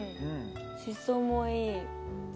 しそもいい。